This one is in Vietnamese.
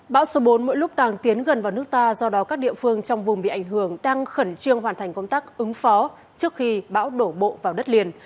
bão số bốn mỗi lúc càng tiến gần vào nước ta do đó các địa phương trong vùng bị ảnh hưởng đang khẩn trương hoàn thành công tác ứng phó trước khi bão đổ bộ vào đất liền